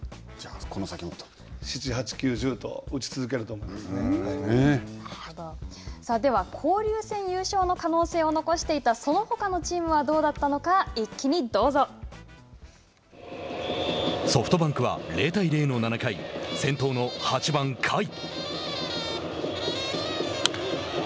７、８、９、１０と、打ち続けさあでは、交流戦優勝の可能性を残していたそのほかのチームはどうだったのソフトバンクは０対０の７回先頭の８番、甲斐。